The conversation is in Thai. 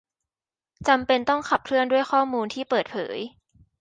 จำเป็นต้องขับเคลื่อนด้วยข้อมูลที่เปิดเผย